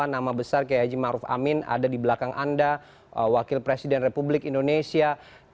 bisa saya lihat yang besar kayak haji maruf amin ada di belakang anda wakil presiden republik indonesia